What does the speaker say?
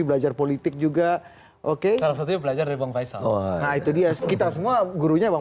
belajar politik juga oke kalau sudah belajar dari bang faisal itu dia sekitar semua gurunya bang